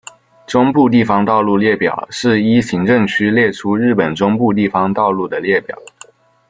中部地方道路列表是依行政区列出日本中部地方道路的列表。